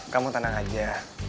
kamu tenang aja